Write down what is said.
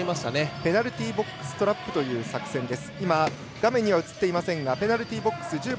ペナルティーボックストラップという作戦です。